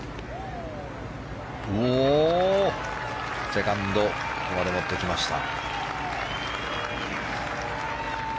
セカンドここまで持ってきました。